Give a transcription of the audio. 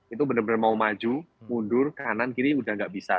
itu benar benar mau maju mundur kanan kiri udah gak bisa